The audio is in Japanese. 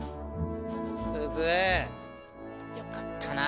すずよかったな！